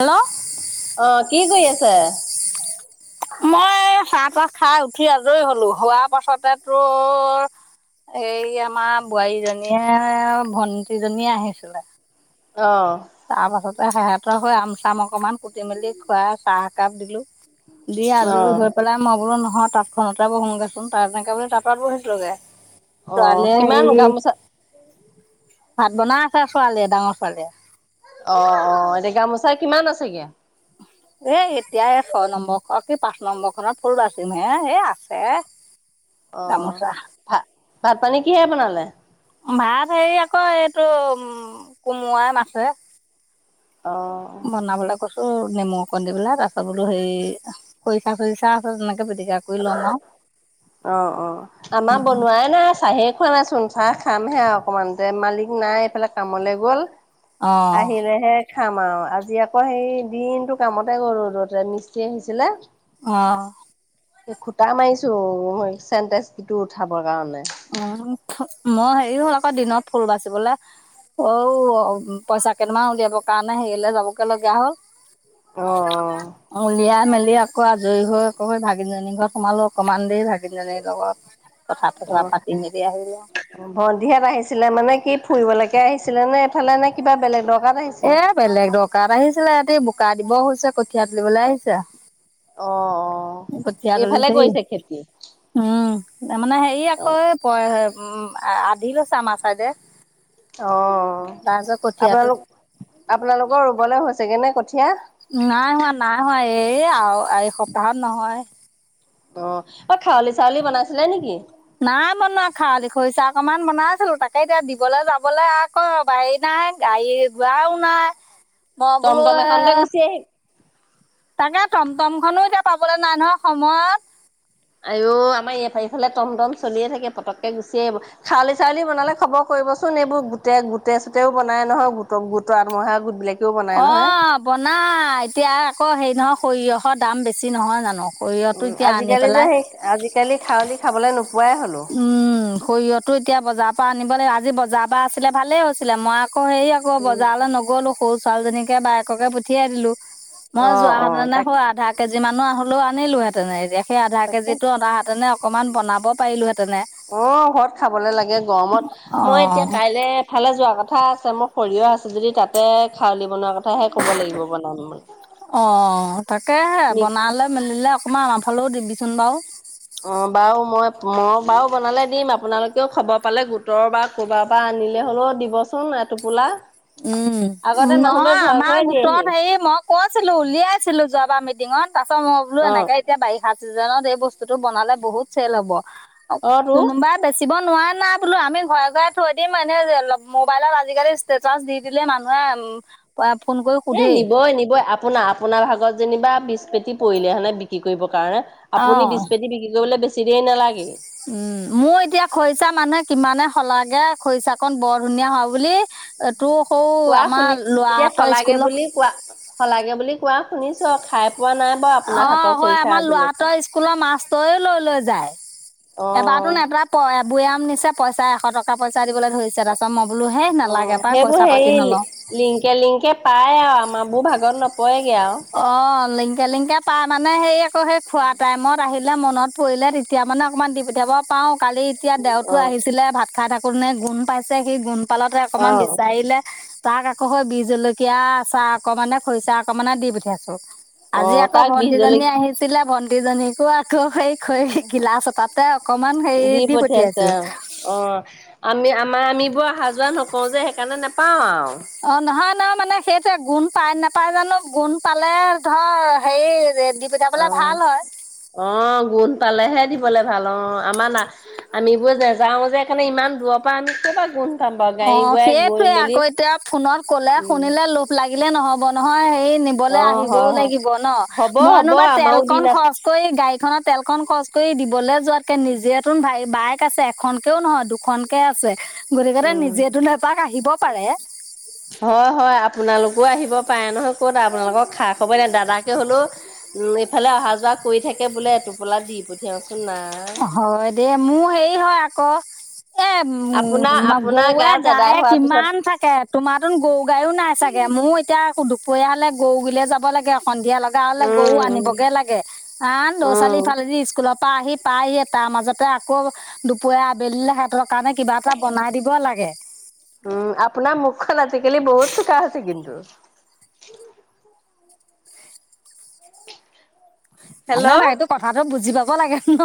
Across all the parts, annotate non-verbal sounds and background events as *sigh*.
Hello আহ কি কৰি আছো? মই চাহ তাহ খাই উঠি আজৰি হলো হোৱাৰ পাছতে তোৰ- এই আমাৰ বোৱাৰীজনীয়ে ভন্টিজনীয়ে আহিছিলে। অ তাৰ সেহঁতৰ হৈ আমচাম অকণমান কুটি মেলি খুৱাই চাহ একাপ দিলোঁ। দি অ আজৰি হৈ পেলাই মই বোলো নহয় তাঁত খনণতে বহোগৈ। চোন তাত এনেকে তাঁতত বহিছিলোগে। অ ছোৱালে কিমান সেই গামোচা ভাত বনাই আছে ছোৱালীয়ে ডাঙৰ ছোৱালীয়ে। অ অ এতিয়া গামোচা কিমান আছেগে? এ এতিয়া এই ছয় নম্বৰ খ কি পাঁচ নম্বৰ খনৰ ফুল বাচিম হে এই আছে। অ গামোচা ভাত ভাত পানী কিহে বনালে? ভাত হেৰি আকৌ এইটো উ কোমোৱাই মাছে অ বনাবলৈ কৈছোঁ নেমু অকণ দি পেলাই তাৰপাছত বোলো হে খৰিচা চইচা আছে তেনেক অ অ আমাৰ বনোৱাই নাই চাহে খোৱা নাইচোন চাহ খামহে অকমান তে মালিক নাই এইফালে কামলে গ'ল অঁ আহিলেহে খাম আও আজি আকৌ সেই দিনটো কামতে গল ৰদতে মিস্ত্ৰী আহিছিলে অহ এ খুটা মাৰিছো চেণ্টেজটিটো উঠাবৰ কাৰণে অ মই হেৰি হ'ল আকৌ দিনত ফুল বাচিবলে অঔ পইচা কেইটামান উলিয়াব কাৰণে হেৰিলে যাবগে লগীয়া হ'ল অ অ গৈ আকৌ আজৰি হৈ আকৌ হৈ ভাগিনজনীৰ ঘৰত সোমালো অকণমান দেৰি ভাগি নজনিৰ লগত কথা *unintelligible* আহিলোঁ ভন্টিহেত আহিছিলে মানে কি ফুৰিবলৈকে আহিছিলে নে এইফালে নে কিবা বেলেগ দৰকাৰত আহিছিলে? এ বেলেগ দৰকাৰত আহিছিলে ইহতি বোকা দিব হৈছে কঠিয়াত তুলিবলে আহিছে অ অ কঠীয়া এইফালে তুলিছে কৰিছে খেতি তাৰ মানে হেৰি অ'। আকৌ আধি লৈছে আমাৰ চাইদে অ আপোনালোক আপোনালোকৰ ৰুবলে হৈছেগে নে কঠীয়া নাই হোৱা নাই হোৱা এই আও এইসপ্তাহত নহয় অ ঐ খাউলি চাউলি বনাইছিলে নেকি নাই বনোৱা খাৱলি খৰিছা অকনমান বনাইছিলো তাকে এতিয়া দিবলে যাবলে আকৌ বাহৰি না নাই গাড়ী গোৱাও নাই, মই বোলো টমটম এখনতে এ গুচি আহি তাকে টমটমখনো এতিয়া পাবলে নাই নহয় সময়ত। আঐ, আমাৰ ইফা এইফালে টমটম চলিয়ে থাকে, পটককে গুচি আহিব। খাউলি-চাউলি বনালে খব ক কৰিবচোন এইবোৰ গোটে-গোটেই চোতেও বনাই নহয় গোট গোটৰ আত্মসহা়য় গোটবিলাক। অ' বনাই এতিয়া আকৌ হেৰি নহয়, সৰিয়হৰ দাম বেছি নহয় জানো। সৰিয়হটো উম এতিয়া আনি আজিকালি যে পেলাই সেই আজিকালি থাৱলি থাৱলি নু উম সৰিয়হটো এতিয়া বজাপা আনিব লাগিব। আজি বজাপা আছিলে ভালে হৈছিলে মই অ' ক হেৰি আক বজাৰলে নগলো সৰু ছোৱালীজনীকে বায়েককে পঠিয়াই দিলো মই অ', যোৱা সেতেন অ', তাক দেখোঁ আধা কেজি মানো হ'লেও আনিলোহেতেন এতিয়া সেই আধা তাকে কেজিটো অনাহেঁতেনে অকমান বনাব পাৰিলোহে অ' ঘৰত খাবলে লাগে গৰমত, অ মই এতিয়া কাইলে এফালে যোৱা ক কথা আছে, মোৰ সৰিয়হ আছে যদি তাতে খাউলি বনোৱাৰ কথ অ' তাকেহে মিক বনালে মেলিলে অকমান আ ফালেও দিবিচোন বাও। অ', বাৰু মই বাৰু বনালে দিম, আপোনালোকেও খবৰ পালে গোটৰ বা ক'বাৰ পৰা আনিলে হ'লেও দিবচোন। কা টোপোলা উম নহয় আমা ঘৰে দিয়েহি গোটত হেৰি মই কছিলো, উলিয়াইছিলো যোৱাবা মিটিঙত তাৰ পাছত মই বোলো অ', এনেকে এতিয়া বাৰিষাচিজনত এই বস্তুটো বনালে বহুত চেল হ'ব অ কোনোবা বেচিব নোৱাই নোৱাই বোলো আমি ঘৰে ঘৰে থৈ দিম, এনে মোবাইলত আজিকালি ষ্টেটাছ দি দিলে মানুহে উম এ নিবই নিবই, আপোনা আপোনাৰ ভাগত যেনিবা বিছ পেতি পৰিলে হয় নে বিক্ৰী কৰিব কাৰণে আপুনি অ'। বিছ পেতি বিক্ৰী কৰিবলে বেছি দেৰি নালাগে উম মো এতিয়া খৰিচা মানুহে কিমানে সলাগে খৰিচা কন বৰ ধুনীয়া হয় বুলি তোৰ সৌ কোৱা আমাৰ শুনি এতিয়া ল'ৰাহঁতৰ শলাগে স্কুলৰ বুলি কোৱা শলাগে বুলি কোৱা শুনি ছোঁ খাই পোৱা নাই বাৰু আপোনাৰ অ হাতৰ হয় খৰিচা আমা আজিলৈকে ল'ৰাতোৱ স্কুলৰ মাষ্টৰেও লৈ লৈ যায় অ এবাতোন এটা ব বয়াম নিচে পইচা এশ টকা পইচা দিবলৈ ধৰিছে তাৰপিছত মই বোলো হেই অ নালাগে পাই সেইবোৰ পইচা পাতি হেৰি নলওঁ লিংকে লিংকে পাই আও আমা বো ভাগত নপৰেগে আৱ অ' লিংকে লিংকে পাই মানে সেই আক সেই খোৱা টাইমত আহি লে, মনত পৰিলে তেতিয়া মানে অকমান দি পঠিয়াব পাওঁ। কালি এতিয়া দেওতো অ আহিছিলে ভাত খাই থাকো কোনে গুণ পাইছে সেই গুণ পালতে অ অকমান বিচাৰিলে তাক আকৌ সই বিজলকীয়া আছা অকমানে, খৰিচা অকমানে দি পঠিয়াইছো অ আজি আকৌ তাক বিহ ভন্টিজনী জলকীয়া আহিছিলে ভণ্টিজনীকো আকৌ সেই খ গিলাচ এটাতে অকমান হেৰি দি পঠিয়াছে পঠিয়াইছোঁ। অ আমি আম আমা আমিবোৰ অহা-যোৱা নকওঁ যে সেইকাৰণে নাপাও আৱ অ নহয় নহয় মানে সেইটোৱে গুণ পাই নেপাই জানো গুণ পালে ধৰ হেৰি দি পঠিয়াবলে অ' ভাল হয় অ' গুন পালেহে দিবলে ভাল অ আমাৰ না আমিবুৱে নাযাও যে সেকাৰণে ইমান দূৰৰ পৰা আমি কপা গুন অ' সেইটোৱে আক এতিয়া ফোনত কলে উম, শুনিলে লোভ লাগিলে নহব নহয়, হেই নিবলে অ' আহিবও হয় হয় লাগিব ন। হ'ব হ'ব মইনোবা তেল আমাৰো কন দিন আছে খৰচ কৰি গাড়ীখনত তেল খন খৰচ কৰি দিবলে যোৱাতকে, নিজেতোন বাইক আছে এখনকেও নহয় দুখনকে আছে গতি উম, নিজেতোন এপাক আহিব পাৰে। হয় হয়, আপোনালোকো আহিব পাৰে নহয়, ক'ত আপোনালোকৰ খা খবই নাই, দাদাকে হলোঁ উম এফালে অহা যোৱা কৰি থাকে বোলে, এটোপোলা দি পঠিয়াওচোন নাই। হয় দে মো হেৰি হয় আক এ আপোনাৰ উম, আপোনাৰ গৰুৱে গাজ এদাই গায়ে হোৱাৰ পিছত কিমান থাকে। তোমাৰ তুন গৰু গাইও নাই চাগে, মোৰ এতিয়া দুপৰীয়া হলে গৰু গিলে যাব লাগে। সন্ধিয়া লগা হলে গৰু উম, উম, আনিবগে লাগে। আন ল'ৰা ছোৱালী উম, ইফালেদি স্কুলৰ পৰা আহি পাইহে, তাৰ মাজতে আকৌ, দুপৰীয়া আবেলিল সিহতক কাৰণে কিবা এটা বনাই দিব লাগে। টেকেলি বহুত চোকা হৈছে কিন্তু। আনা নাই হেল্ল' এইটো কথাাটো বুজি পাব লাগে ন'।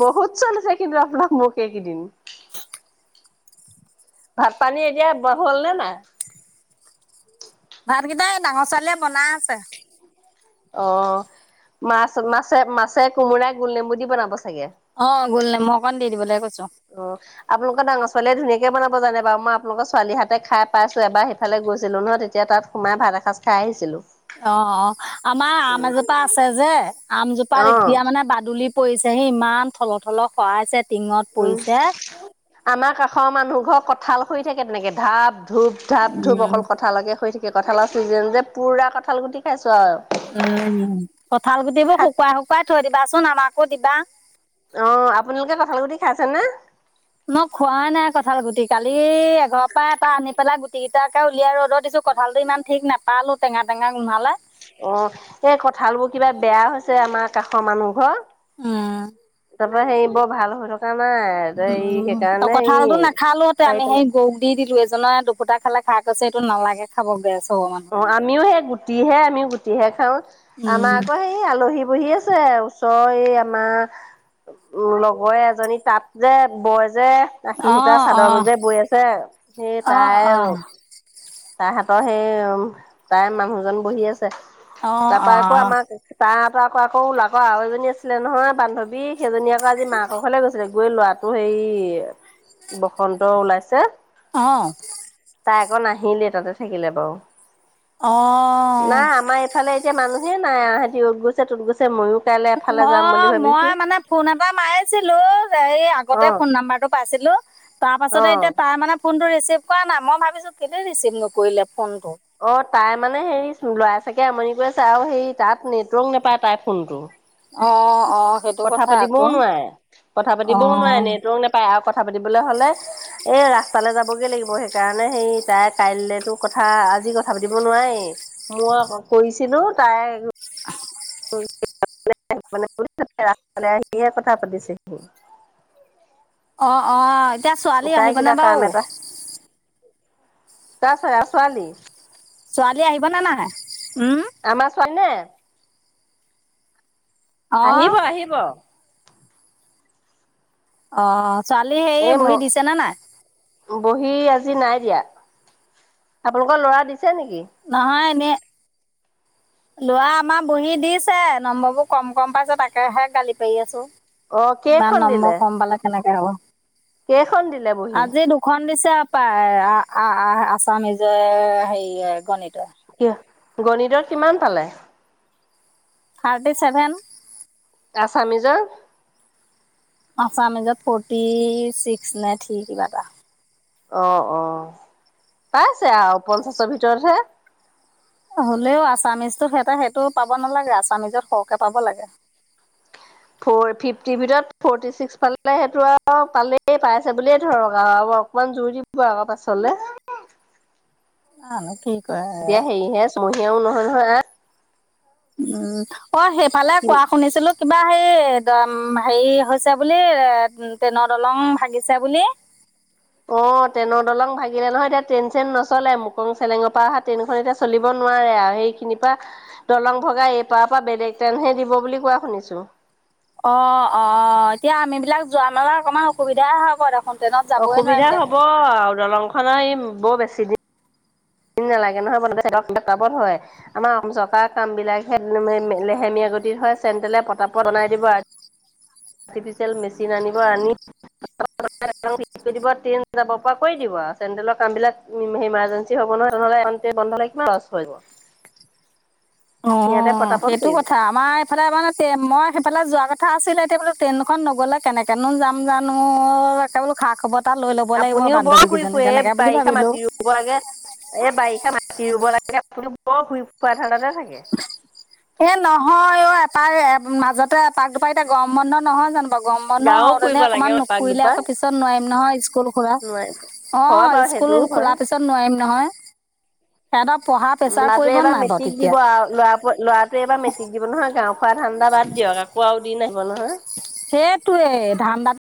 বহুত চলিছে কিন্তু আপোনাৰ মোক এইকেইদিন। ভাত-পানী এতিয়া হলনে নাই? ভাতকেইটা এ ডাঙৰ ছোৱালীয়ে বনাই আছে। অ' মাছ, মাছে-মাছে কোমোৰাই গোল নেমু দি বনাব। চাগে অ', গোল নেমু অকণ দি দিবলৈ কৈছে। অ', আপোনালোকৰ ডাঙৰ ছোৱালীয়ে ধুনীয়াকে বনাব জান বাৰু, মই আপোনালোকৰ ছোৱালীহাতে খাই পাইছোঁ। এবাৰ সিফালে গৈছিলোঁ নহয়, তেতিয়া তাত সোমাই, ভাত এসাঁজ খাই আহিছিলোঁ। অ', অ', আমাৰ আম এজোপা আছে যে, আমজোপাত অ এতিয়া মানে বাদুলি পৰিছেহি, ইমান থল-থল, শৰাইছে টিঙত উম পৰিছে। আমাৰ কাষৰ মানুহ ঘৰ কঁঠাল হৰি থাকে তেনেকে, ধাপ ধূপ, ধাপ ধূপ উম অকল কঁঠালকে হৰি থাকে। কঠালৰ চিজেন যে পুৰা কঠালুটি খাইছোঁ। উম, কঠাল গুটিবোৰ খা শুকুৱাই শুকুৱাই থৈ দিবাচোন, আমাকো দিবা। অ' আপোনালোকে কঠাল গুটি খাইছেনে? মই খোৱাই নাই কঁঠাল গুটি। কালি এঘৰৰ পৰা এটা আনি পেলাই গুটি কেইটাকে উলিয়াই ৰ'দ ত দিছো, কঠালটো ইমান ঠিক নাপালো টেঙা টঙা। অ' এই কঁঠালবোৰ কিবা বেয়া হৈছে আমাৰ কাষৰ মানুহ ঘৰ। উম। তাৰ পৰা সেই, বৰ ভাল হৈ থ উম, উম, ত কঁঠালতো নাখালোহতে পাৰি আমি সেই পেলাই গৰুক দি দিলো, এজনে দু পুতা খালে, খাই কৈছে এইটো নালাগে খাব গেছ হ'ব মানুহৰ অ', আমিও সেই গুটিহে, আমিও গুটিহে খাওঁ। আমাৰ উম আকৌ সেই আলহী বহি আছে, ওচৰৰ এ, আমাৰ উ, লগৰ এজনী তাত যে, বয় যে, আখি অ সূতা চাদৰ অ বু যে বৈ আছে, সেই অ', তাই। অ', তাহাতৰ সেই উম, তাই মানুহজন বহি আছে। অ', তাৰ পৰা আকৌ অ', আমাক, তা *unintelligible* আকৌ আৰু এজনী আছিলে নহয় বান্ধৱী সেইজনী আকৌ আজি মাকৰ ঘৰলৈ গৈছিলে। গৈ ল'ৰাটো সেই বসন্ত ওলাইছে, অ', তাই নাহিলেই তাতে থাকিলে বাৰু। নাই অ', আমাৰ এইফালে এতিয়া মানুহ হে নাই আৰু, ইহতি অত গৈছে, তত গৈছে ময়ো কাইলৈ এফালে যাম বুলি অ', ভাবিছো মই মানে ফোন এটা মাৰিছিলো হে অ আগতে ফোন নাম্বাৰটো পাইছিলো। তাৰ অ পাছতে এতিয়া তাৰ মানে ফোনটো ৰিচিভ কৰা নাই, মই ভাবিছোঁ কেলেই ৰিচিভ নকৰিলে। ফোনটো অ তাই মানে হেৰি লৈাই আছে তাকে আমনি কৰি আছে আৰু সেই তাত নেটৱৰ্ক নাপায় তাই ফোনটো অ অ', সেইটো কথা আকৌ পাতিবও নোৱাৰে কথা পাতিবও নোৱাৰে অ', নেটৱৰ্ক নেপায় কথা পাতিবলে হ'লে এই ৰাস্তালৈ যাবগৈ লাগিব সেইকাৰণে হেই তাই কাইলেতো কথা আজি কথা পাতিব নোৱাৰি মই কৈছিলো তাই হয় *unintelligible* *unintelligible* নে ৰাসাল আহিয়ে কথা পাতিছেহি অ অ। এতিয়া ছোৱালী আহিবনে বাৰু? *unintelligible* কছ আৰু ছোৱালী ছোৱালী আহিবনে নাহে? আমা ছোৱালী নে? অ', আহিব আহিব। অ। ছোৱালী হেৰি এ ম বহি দিছেনে নাই বহি আজি নাই আপোনালোকৰ লৰা দি নহয় এনে লৰা আমাৰ বহি দিছে নম্বৰ বোৰ কম কম পাইছে তাকেহে গালি পাৰি আছো। অ কেইখন ইমান দিলে নম্বৰ কম পালে কেনেকে হ'ব। কেইখন দিলে বহি আজি দুখন দিছে পায় আছামিজৰ হেৰিয় গণিত এতিয়া, গণিতত কিমান পালে? Thirty seven. আছামিজত? আচামিজত ফৰ্টি ছিক্স নে থ্ৰি কিবা এটা। অ অ। পাইছে আও পঞ্চাছৰ ভিতৰতহে। হ'লেও আছামিজটো সেইটে সেইটো পাব নালাগে, আছামিজত সৰকে পাব লাগে। হয় *unintelligible* ফিফটিৰ ভিতৰত ফৰ্টি ছিক্স পালে সেইটো আৰু পালেই পাইছে বুলিয়ে ধৰক আৰু অকমান জোৰ দিব আকৌ পাছলে *unintelligible* এতিয়া হেৰিহে ছমসীয়াও নহয় নহয় আহ উম অ সেইফালে কোৱা শুনিছিলো কিবা হে হেৰি হৈছে বুলি এ ট্ৰেইনৰ দলং ভাগিছে বুলি *inaudible* অ ট্ৰেইনৰ দলং ভাগিলে নহয় এতিয়া ট্ৰেইন চেইন নলে মুকং চেলেঙৰ পৰা আহা ট্ৰেইনখন এতিয়া চলিব ন নোৱাৰে আৰু সেইখিনিৰ পৰা দলং ভগা এইপাৰ পৰা বেলেক ট্ৰেইনহে দিব বুলি কোৱা শুনিছো অ অ এতিয়া আমিবিলাক যোৱা মেলাত অকমান অসুবিধাই হ'ব দেখোন। ট্ৰেইনত যাবই নোৱাৰিম অসুবিধা হব দেখোন। আৰু দলংখনৰ ই বৰ বেছি দিন নালাগে নহয় ব হেত পতাপত হয় আমাৰ অসম চৰকাৰৰ কাম বিলাক লেহেমীয়া গতিত হয় চেণ্টেলে পতাপত অনাই দিব আৰু আৰ্টিফিচিয়েল মেচিন আনিব আনি দিব ট্ৰেইন যাব পৰা কৰি দিব চেণ্ডেলৰ কাম বিলাক ইমাৰজেঞ্চি হ'ব নহয় তেনেহ'লে অন্ত বন্ধ হলে কিমান লছ হৈব অ সেইটো কথা আমাৰ এইফালে মানে মই সেইফালে যোৱা কথা কথা আছিলে এতিয়া বোলে ট্ৰেইনখন নগলে কেনেকেনো যাম জানো একেবোলো আপুনিও বৰ ফুৰি ফুৰে এই তেনেকে বুলি বাৰিষা ভাবিলো। মাতি ৰুব লাগে। এই বাৰিষা মাটি ৰুব লাগে আপুনিও বৰ ঘূৰি ফুৰা ধানদাতে থাকে এ নহয় অ এপাৰ মাজতে এপাক দুপাক এতিয়া গৰম বন্ধ নহয় জানো গম বন্ধ গাঁও হওতে ফুৰিব নে লাগে অকনমান এপাক নুফুৰিলে দুপাক আকৌ পিছত নোৱাৰিম নহয় স্কুল খোলা নোৱাৰে। অ হয় বাৰু স্কুল সেইটোও হয়। খোলাৰ পিছত নোৱাৰিম নহয় সিহঁতৰ পঢ়া প্ৰেছাৰ লৰিটোৱে পৰিব এবাৰ নাই বাৰু মেট্ৰিক তেতিয়া। দিব আও ল'ৰা *unintelligible* লৰাটোৱে এবাৰ মেট্ৰিক দিব নহয় গাঁও খোৱা ধান্দা বাদ দিয়ক আকৌ আ দিন নাহিব নহয় সেইটোৱে ধান্দাত